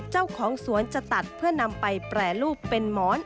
เจ้าของสวนจะตัดเพื่อนำไปแปรรูปเป็นหมอน